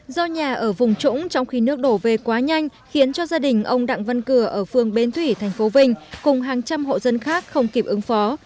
do nhà ở vùng trũng trong khi nước đổ về quá nhanh khiến cho gia đình ông đặng văn cửa ở phường bến thủy tp vinh cùng hàng trăm hộ dân khác không kịp ứng phó